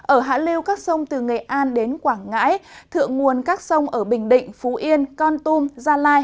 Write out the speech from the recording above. ở hạ liêu các sông từ nghệ an đến quảng ngãi thượng nguồn các sông ở bình định phú yên con tum gia lai